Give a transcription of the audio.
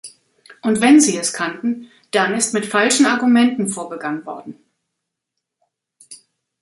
Und wenn sie es kannten, dann ist mit falschen Argumenten vorgegangen worden.